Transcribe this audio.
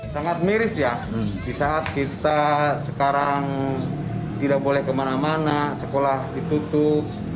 sangat miris ya di saat kita sekarang tidak boleh kemana mana sekolah ditutup